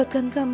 terima kasih bu